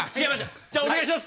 じゃあ、お願いします。